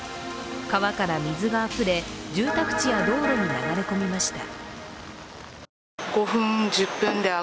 川から水があふれ住宅地や道路に流れ込みました。